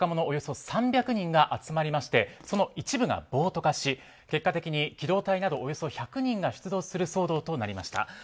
およそ３００人が集まりましてその一部が暴徒化し結果的に機動隊などおよそ１００人が出動する騒動となりました。